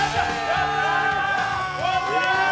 やったー！